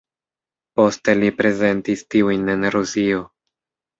Poste li prezentis tiujn en Rusio.